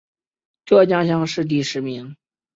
浙江乡试第十名。